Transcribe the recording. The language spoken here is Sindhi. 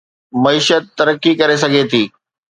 معيشت ترقي ڪري سگهي ٿي